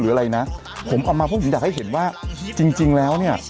อะไรนะผมเอามาเพราะผมอยากให้เห็นว่าจริงแล้วเนี่ย